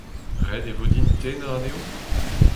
Ret e vo din tennañ anezho ?